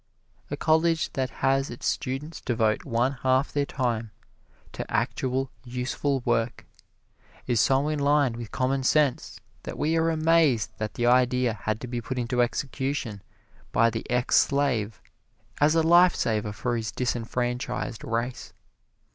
A college that has its students devote one half their time to actual, useful work is so in line with commonsense that we are amazed that the idea had to be put into execution by the ex slave as a life saver for his disenfranchised race.